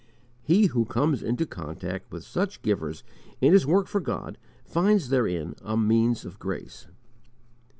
He who comes into contact with such givers in his work for God finds therein a means of grace.